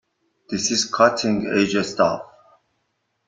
This is cutting edge stuff!.